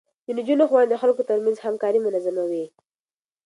د نجونو ښوونه د خلکو ترمنځ همکاري منظموي.